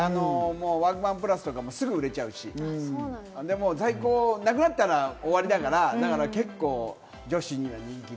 ワークマンプラスとかもすぐ売れちゃうし、在庫なくなったら終わりだから、結構、女子には人気で。